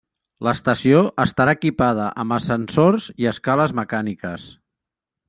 L'estació estarà equipada amb ascensors i escales mecàniques.